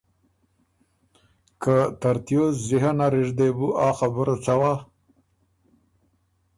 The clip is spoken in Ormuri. که ترتوس ذهن نر اِر دې بُو آ خبُره څوا